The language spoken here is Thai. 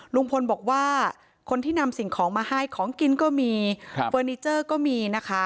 ลุงพลบอกว่าคนที่นำสิ่งของมาให้ของกินก็มีเฟอร์นิเจอร์ก็มีนะคะ